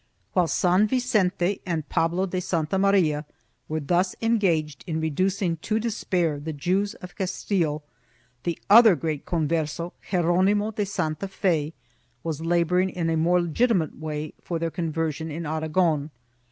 2 While San Vicente and Pablo de Santa Maria were thus engaged in reducing to despair the Jews of Castile, the other great Con verso, Geronimo de Santafe, was laboring in a more legitimate way for their conversion in Aragon.